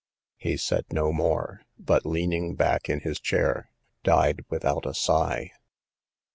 He said no more, but, leaning back in his chair, died without a sigh.